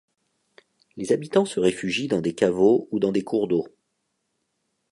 Les habitants se réfugient dans des caveaux ou dans des cours d'eau.